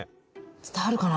伝わるかな？